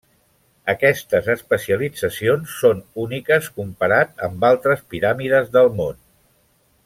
Aquestes especialitzacions són úniques comparat amb altres piràmides del món.